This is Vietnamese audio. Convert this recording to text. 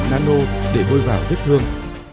sản phẩm nano để vui vào vết thương